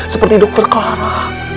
seperti dokter clara